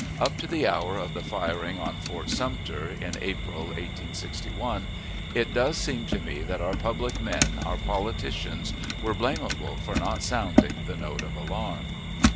Up to the hour of the firing on Fort Sumter, in April, 1861, it does seem to me that our public men, our politicians, were blamable for not sounding the note of alarm.